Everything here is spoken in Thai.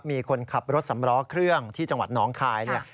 มีคนขับรถสำล้อเครื่องที่จังหวัดน้องคายเนี่ย